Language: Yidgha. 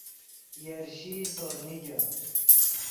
یرشیئی سور نیگے